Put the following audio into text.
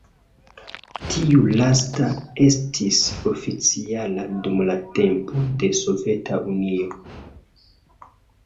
Tiu lasta estis oficiala dum la tempo de Soveta Unio.